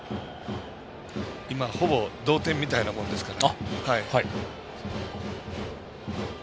今、ほぼ同点みたいなもんですから。